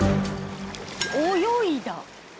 泳いだ。